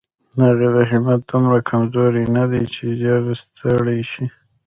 د هغې همت دومره کمزوری نه دی چې ژر ستړې شي.